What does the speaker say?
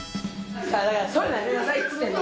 だからそういうのやめなさいっつってるの！